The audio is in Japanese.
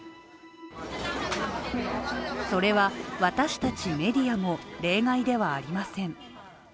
それは私たちメディアも例外ではありません。